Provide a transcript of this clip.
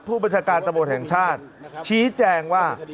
ผู้บัญชาการตำรวจแห่งชาติชี้แจงว่า